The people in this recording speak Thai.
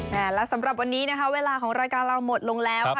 แล้วสำหรับวันนี้นะคะเวลาของรายการเราหมดลงแล้วค่ะ